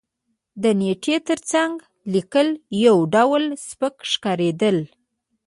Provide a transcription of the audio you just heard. د نېټې تر څنګ لېکل یو ډول سپک ښکارېدل.